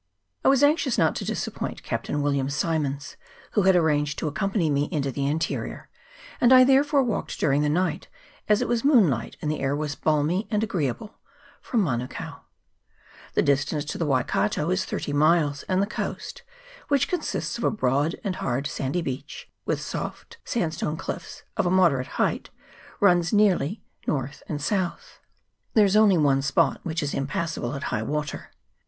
I was anxious not to disappoint Captain William Symonds, who had arranged to accompany me into the in terior, and I therefore walked during the night, as it was moonlight, and the air balmy and agreeable, from Manukao. The distance to the Waikato is thirty miles, and the coast, which consists of a broad and hard sandy beach, with soft sandstone cliffs of a moderate height, runs nearly north and south. There is only one spot which is impassable at high water.